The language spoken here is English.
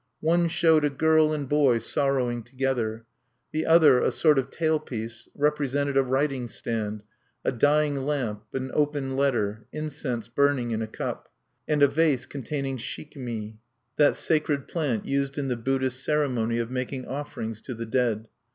One showed a girl and boy sorrowing together. The other a sort of tail piece represented a writing stand, a dying lamp, an open letter, incense burning in a cup, and a vase containing shikimi, that sacred plant used in the Buddhist ceremony of making offerings to the dead.